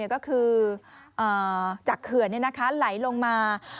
ก็คือจากเขื่อนไหลลงมา